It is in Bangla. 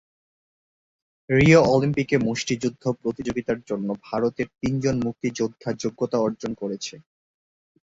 রিও অলিম্পিকে মুষ্টিযুদ্ধ প্রতিযোগিতার জন্য ভারতের তিনজন মুষ্টিযোদ্ধা যোগ্যতা অর্জন করেছে।